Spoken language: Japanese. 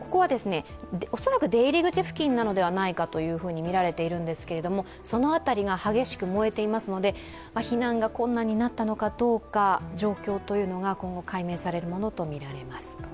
ここは恐らく出入り口付近なのではないかとみられているんですけれども、その辺りが激しく燃えていますので避難が困難になったのかどうか状況が今後解明されるものとみられます。